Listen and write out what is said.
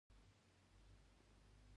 جنګ ته تیار یاست.